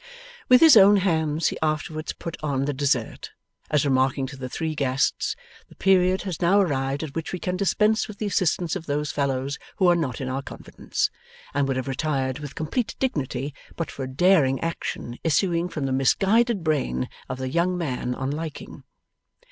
With his own hands he afterwards put on the dessert, as remarking to the three guests, 'The period has now arrived at which we can dispense with the assistance of those fellows who are not in our confidence,' and would have retired with complete dignity but for a daring action issuing from the misguided brain of the young man on liking.